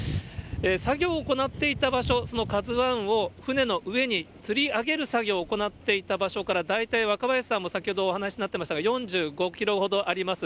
作業を行っていた場所、そのＫＡＺＵＩを船の上につり上げる作業を行っていた場所から、大体若林さんも先ほどお話しになっていましたが、４５キロほどあります。